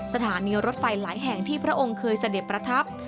สถานีรถไฟหลายแห่งที่พระองค์เคยเสด็จประทับ